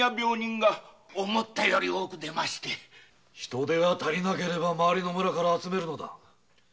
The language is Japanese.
人手が足りなければ回りの村から集めるのだ。